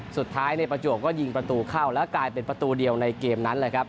สุดท้ายในประจวบก็ยิงประตูเข้าแล้วกลายเป็นประตูเดียวในเกมนั้นเลยครับ